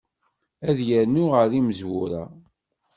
Ad yernu ɣer yimezwura.